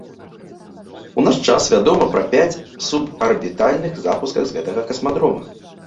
У наш час вядома пра пяць субарбітальных запусках з гэтага касмадрома.